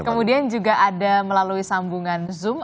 kemudian juga ada melalui sambungan zoom